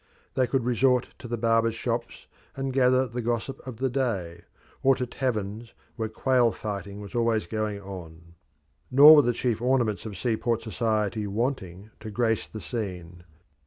They could resort to the barbers' shops and gather the gossip of the day, or to taverns where quail fighting was always going on. Nor were the chief ornaments of sea port society wanting to grace the scene.